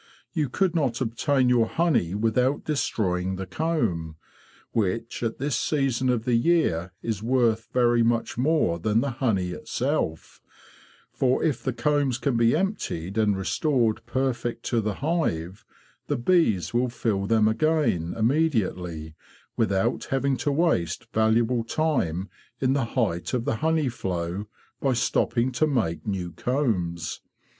You could not obtain your honey without destroying the comb, which at this season of the year is worth very much more than the honey itself; for if the combs can be emptied and _ restored perfect to the hive, the bees will fill them again imme diately, without having to waste valuable time in the height of the honey flow by stopping to make new combs.